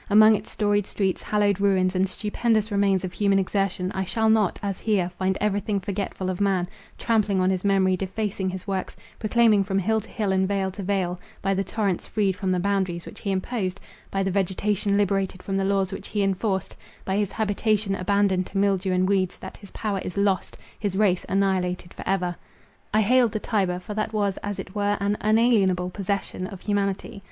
Among its storied streets, hallowed ruins, and stupendous remains of human exertion, I shall not, as here, find every thing forgetful of man; trampling on his memory, defacing his works, proclaiming from hill to hill, and vale to vale,—by the torrents freed from the boundaries which he imposed—by the vegetation liberated from the laws which he enforced—by his habitation abandoned to mildew and weeds, that his power is lost, his race annihilated for ever. I hailed the Tiber, for that was as it were an unalienable possession of humanity.